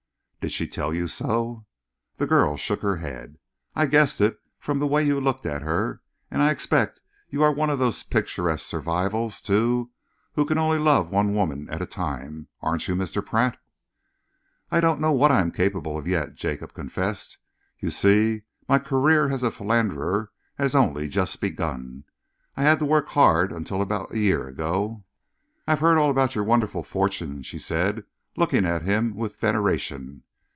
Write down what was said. "Did she tell you so?" The girl shook her head. "I just guessed it from the way you looked at her. And I expect you are one of those picturesque survivals, too, who can only love one woman at a time. Aren't you, Mr. Pratt?" "I don't know what I am capable of yet," Jacob confessed. "You see, my career as a philanderer has only just begun. I had to work hard until about a year ago." "I have heard all about your wonderful fortune," she said, looking at him with veneration.